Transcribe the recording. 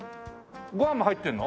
ご飯も入ってるの？